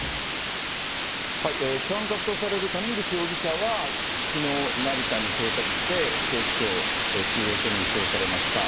主犯格とされる谷口容疑者はきのう成田に到着して、警視庁中央署に移送されました。